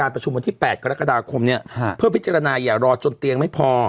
เพื่อวิจารณาอย่ารอจนเตียงไม่พอ